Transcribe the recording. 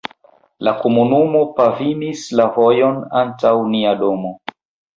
la komunumo pavimis la vojon antaŭ nia domo.